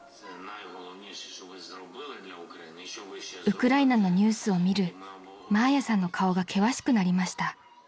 ［ウクライナのニュースを見るマーヤさんの顔が険しくなりました］